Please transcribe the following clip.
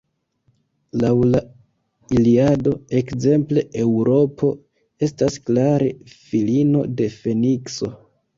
Laŭ la Iliado, ekzemple, Eŭropo estas klare filino de Fenikso.